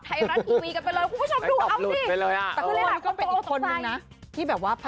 ไทยรัฐทีวีกันไปเลยคุณผู้ชมดูเอาสิตัวนึงนะที่แบบว่า